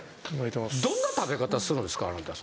どんな食べ方するんですかあなた。